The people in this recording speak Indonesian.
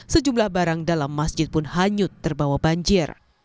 sejumlah barang dalam masjid pun hanyut terbawa banjir